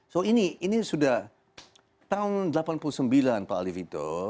so ini ini sudah tahun seribu sembilan ratus delapan puluh sembilan pak alif itu